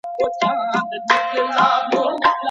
لکه په حديث کي چي راځي.